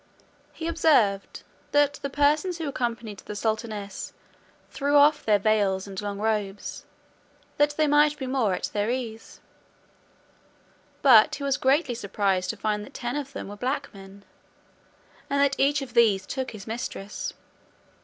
He observed, that the persons who accompanied the sultaness threw off their veils and long robes, that they might be more at their ease, but he was greatly surprised to find that ten of them were black men, and that each of these took his mistress.